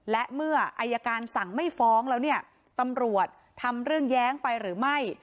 และเมื่ออายการสั่งไม่ฟ้องแล้วเนี่ยตำรวจทำเรื่องแย้งไปหรือไม่